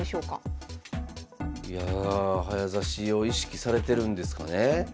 いや早指しを意識されてるんですかね。